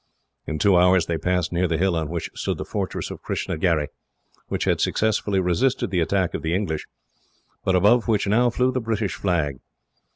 In two hours they passed near the hill on which stood the fortress of Kistnagherry, which had successfully resisted the attack of the English, but above which now flew the British flag.